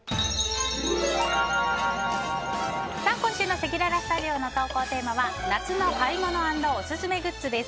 今週のせきららスタジオの投稿テーマは夏の買い物＆オススメグッズです。